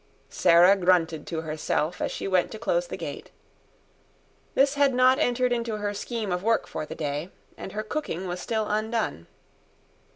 Sarah grunted to herself as she went to close the gate. This had not entered into her scheme of work for the day, and her cooking was still undone.